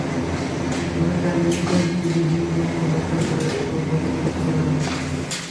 তবে চাইলে নিচে গিয়ে লিভিং রুমে অপেক্ষা করো, একটু গল্পগুজব করা যাবে।